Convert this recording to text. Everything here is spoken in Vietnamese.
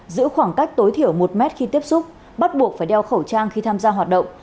giữ khoảng cách tối thiểu một mét khi tiếp xúc bắt buộc phải đeo khẩu trang khi tham gia hoạt động